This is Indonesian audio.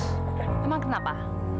terus emang kenapa